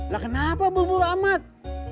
lah kenapa buru buru amat